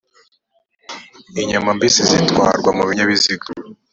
inyama mbisi zitwarwa mu binyabiziga